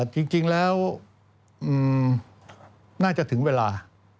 จริงแล้วน่าจะถึงเวลา